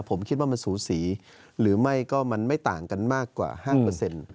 ผมคิดว่ามันสูสีหรือไม่ก็มันไม่ต่างกันมากกว่าห้าเปอร์เซ็นต์